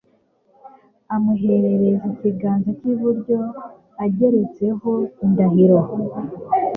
amuhereza ikiganza cy'iburyo ageretseho n'indahiro